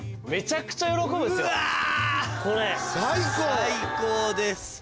最高です。